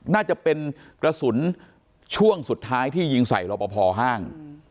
น่าจะเป็นกระสุนช่วงสุดท้ายที่ยิงใส่รอปภห้าง